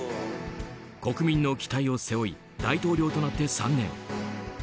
国民の期待を背負い大統領となって３年。